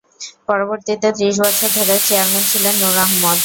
পরবর্তীতে ত্রিশ বছর ধরে চেয়ারম্যান ছিলেন নূর আহমদ।